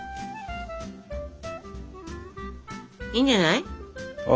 いいんじゃない。ＯＫ。